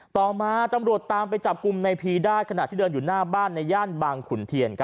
ต่อมาตำรวจตามไปจับกลุ่มในพีได้ขณะที่เดินอยู่หน้าบ้านในย่านบางขุนเทียน